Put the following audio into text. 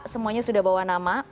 semuanya sudah bawa nama